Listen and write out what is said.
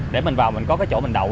để mình vào mình có cái chỗ mình đậu